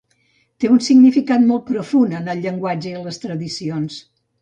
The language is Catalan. Té un significat molt profund en el llenguatge i les tradicions.